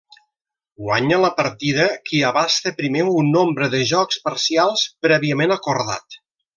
Guanya la partida qui abasta primer un nombre de jocs parcials prèviament acordat.